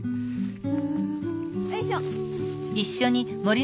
よいしょ。